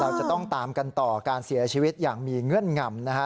เราจะต้องตามกันต่อการเสียชีวิตอย่างมีเงื่อนงำนะฮะ